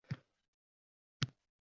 «Nima bo’ldi?» — dedim yoniga kelib.